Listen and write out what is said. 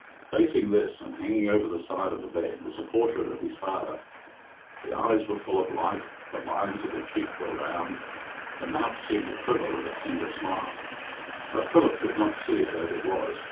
Facing this, and hanging over the side of the bed, was a portrait of his father. The eyes were full of light, the lines of the cheek were round; the mouth seemed to quiver with a tender smile. But Philip could not see it as it was.